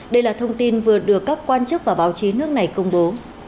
đây là thông tin vừa được các quan chức và báo chí nước này công bố